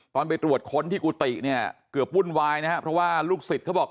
ไปตรวจค้นที่กุฏิเนี่ยเกือบวุ่นวายนะครับเพราะว่าลูกศิษย์เขาบอก